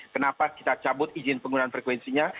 kenapa kita cabut izin penggunaan frekuensinya